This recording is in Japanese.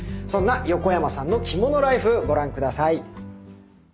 そんな横山さんの着物ライフご覧下さい。